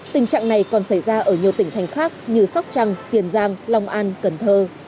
tình trạng này còn xảy ra ở nhiều tỉnh thành khác như sóc trăng tiền giang long an cần thơ